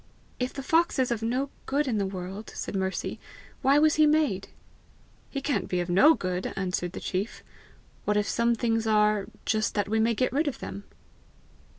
"If the fox is of no good in the world," said Mercy, "why was he made?" "He can't be of no good," answered the chief. "What if some things are, just that we may get rid of them?"